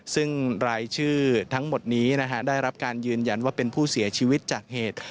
ซึ่งรายชื่อทั้งหมดนี้ได้รับการยืนยันว่าเป็นผู้เสียชีวิตจากเหตุ